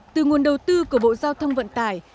từ nguồn đầu tư của bộ giao thông vận tải